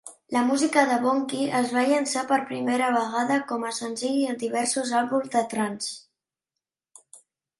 La música de Bonky es va llançar per primera vegada com a senzill en diversos àlbums de "trance".